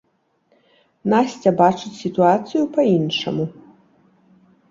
Насця бачыць сітуацыю па-іншаму.